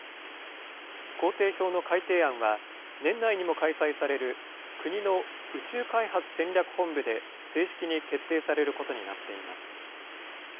工程表の改訂案は、年内にも開催される国の宇宙開発戦略本部で正式に決定されることになっています。